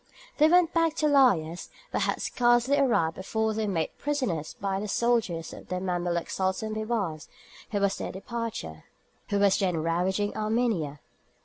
They went back to Laïas, but had scarcely arrived before they were made prisoners by the soldiers of the Mameluke Sultan Bibars, who was then ravaging Armenia.